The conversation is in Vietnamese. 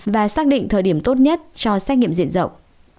và xác định thời điểm tốt nhất cho xét nghiệm diện rộng